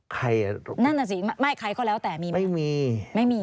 ใครละครับไม่มีหวย๓๐ล้านไม่มีใครเลยนั่นนะสิไม่มี